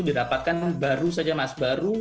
dirapatkan baru saja mas baru